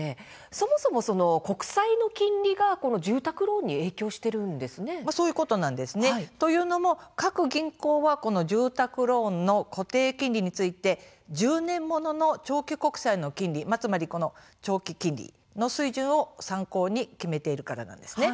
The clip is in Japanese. そもそも国債の金利が住宅ローンというのも各銀行は住宅ローンの固定金利について１０年ものの長期国債の金利つまり長期金利の水準を参考に決めているからなんです。